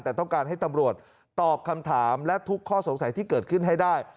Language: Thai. แต่ต้องการให้ตำรวจตอบคำถามและทุกข้อสงสัยที่เกิดขึ้นให้ได้